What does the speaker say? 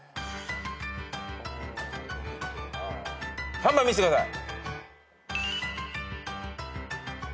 ３番見してください。